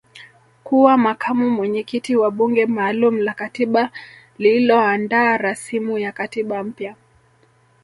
kuwa makamu mwenyekiti wa bunge maalum la katiba lililoandaa rasimu ya katiba mpya